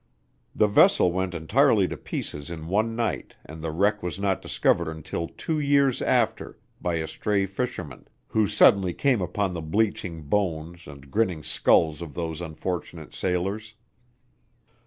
The vessel went entirely to pieces in one night and the wreck was not discovered until two years after by a stray fisherman, who suddenly came upon the bleaching bones and grinning skulls of those unfortunate sailors.